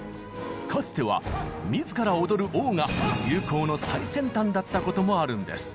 かつては自ら踊る王が流行の最先端だったこともあるんです。